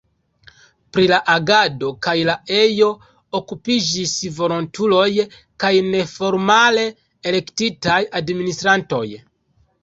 Pri la agado kaj la ejo okupiĝis volontuloj kaj neformale elektitaj administrantoj.